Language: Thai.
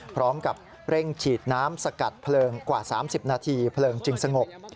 พร้อมกับเร่งฉีดน้ำสกัดเพลิงกว่า๓๐นาทีเพลิงจึงสงบ